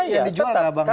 kalau menurut saya ya tetap